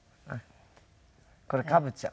これカブちゃん。